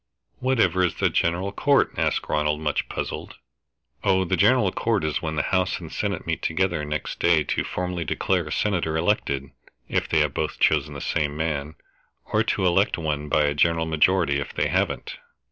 "Whatever is the General Court?" asked Ronald, much puzzled. "Oh, the General Court is when the House and the Senate meet together next day to formally declare a senator elected, if they have both chosen the same man, or to elect one by a general majority if they haven't."